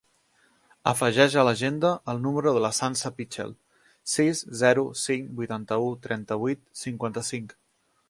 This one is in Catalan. Afegeix a l'agenda el número de la Sança Pichel: sis, zero, cinc, vuitanta-u, trenta-vuit, cinquanta-cinc.